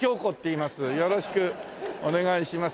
よろしくお願いします。